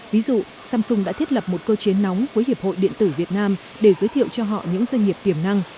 ví dụ samsung đã thiết lập một cơ chế nóng với hiệp hội điện tử việt nam để giới thiệu cho họ những doanh nghiệp tiềm năng